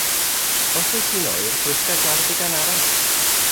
Os wyt ti'n oer gwisga gardigan arall.